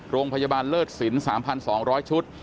โรงพยาบาลเลิศสิน๓๒๐๐ชุด